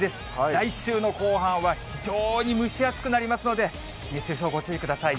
来週の後半は、非常に蒸し暑くなりますので、熱中症ご注意ください。